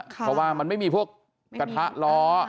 เพราะว่ามันไม่มีพวกกระทะล้อ